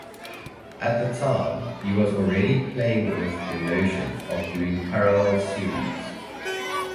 At the time, he was already playing with the notion of doing parallel series.